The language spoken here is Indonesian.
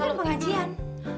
tadi kan pengajian